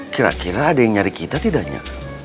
kira kira ada yang nyari kita tidaknya